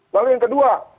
lalu yang kedua